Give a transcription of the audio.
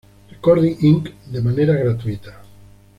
Recording, Inc de manera gratuita.